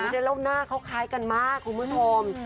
ไม่ใช่ร่วมหน้าเขาคล้ายกันมากคุณผู้ชม